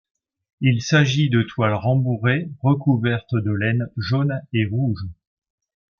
Il s'agit de toile rembourrée, recouverte de laine jaune et rouge.